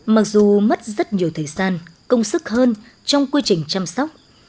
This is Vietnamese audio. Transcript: mặc dù mất rất nhiều thời gian công sức hơn trong quy trình chăm sóc